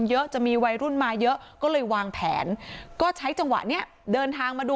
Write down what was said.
จะมีวัยรุ่นมาเยอะก็เลยวางแผนก็ใช้จังหวะเนี้ยเดินทางมาดู